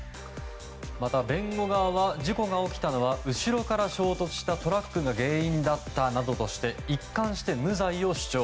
また弁護側は事故が起きたのは後ろから衝突したトラックが原因だったなどして一貫して無罪を主張。